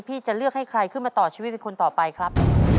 จะเลือกให้ใครขึ้นมาต่อชีวิตเป็นคนต่อไปครับ